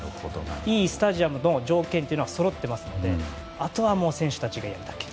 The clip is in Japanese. いいスタジアムの条件がそろっていますのであとは選手たちがやるだけ。